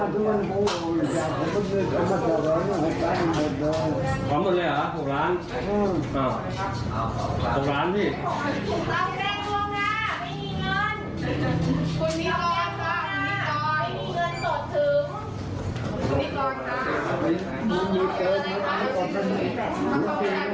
คุณลีนอนค่ะไอ้มีเงินสดถึง